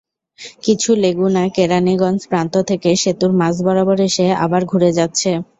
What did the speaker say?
কিছু লেগুনা কেরানীগঞ্জ প্রান্ত থেকে সেতুর মাঝ বরাবর এসে আবার ঘুরে যাচ্ছে।